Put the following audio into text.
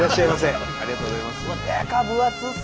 ありがとうございます。